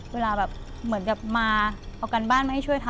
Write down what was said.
เวลาแบบเหมือนแบบมาเอาการบ้านมาให้ช่วยทำ